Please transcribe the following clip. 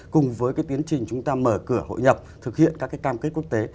cùng với cái tiến trình chúng ta mở cửa hội nhập thực hiện các cái cam kết quốc tế